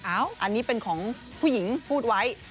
อันนี้เป็นของผู้หญิงพูดไว้